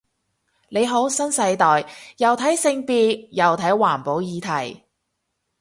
你好新世代，又睇性別又睇環保議題